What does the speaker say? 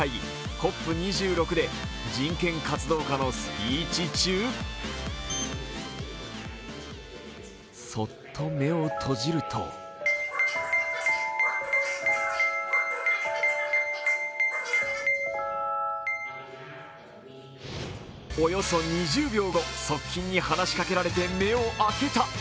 ＣＯＰ２６で人権活動家のスピーチ中そっと目を閉じるとおよそ２０秒後、側近に話しかけられ目を開けた。